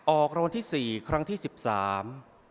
ออกรางวัลที่สี่ครั้งที่สิบสาม